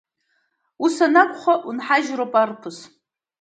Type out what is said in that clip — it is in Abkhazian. Ус анакәха, унҳажьроуп, арԥыс!